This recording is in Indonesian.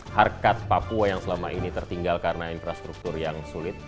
harkat papua yang selama ini tertinggal karena infrastruktur yang sulit